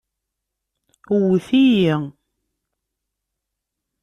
Wwet-iyi.